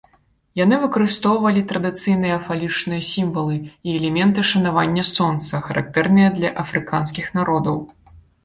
Яны выкарыстоўвалі традыцыйныя фалічныя сімвалы і элементы шанавання сонца, характэрныя для афрыканскіх народаў.